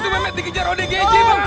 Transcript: itu memet dikejar odgj bang